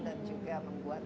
dan juga membuat